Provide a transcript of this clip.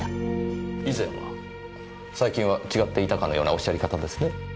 最近は違っていたかのようなおっしゃり方ですね？